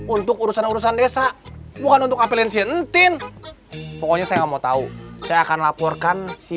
untuk urusan urusan desa